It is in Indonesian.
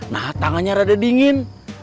nah tangannya rada dingin